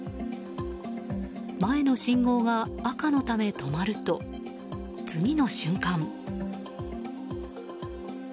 前の信号が赤のため止まると次の瞬間。